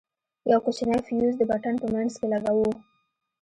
يو کوچنى فيوز د پټن په منځ کښې لگوو.